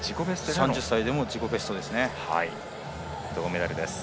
３０歳でも自己ベストですね。